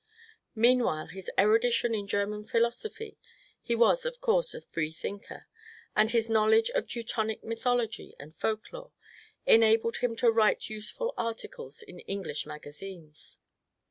Meanwhile his erudition in German phi losophy — he was of course a freethinker — and his knowledge of Teutonic mythology and folk lore, enabled him to write useful articles in English magazines.